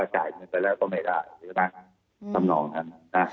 จ่ายไปแล้วก็ไม่ได้ทำนองนั้น